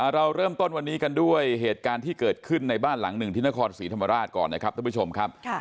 เราเริ่มต้นวันนี้กันด้วยเหตุการณ์ที่เกิดขึ้นในบ้านหลังหนึ่งที่นครศรีธรรมราชก่อนนะครับท่านผู้ชมครับ